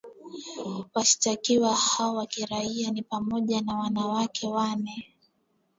Washtakiwa hao wa kiraia ni pamoja na wanawake wane